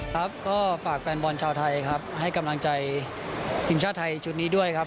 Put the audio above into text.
ครับก็ฝากแฟนบอลชาวไทยครับให้กำลังใจทีมชาติไทยชุดนี้ด้วยครับ